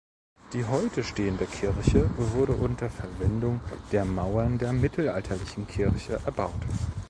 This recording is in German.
Die heute stehende Kirche wurde unter Verwendung der Mauern der mittelalterlichen Kirche erbaut.